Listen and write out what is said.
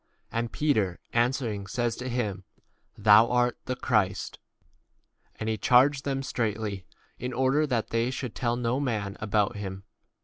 And Peter answering says to him, 30 Thou art the Christ. And he charged them straitly, 2 in order that they should tell no man about 31 him.